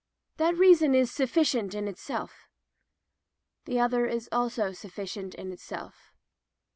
That reason is suflicient in itself. The other is also sufficient in itself.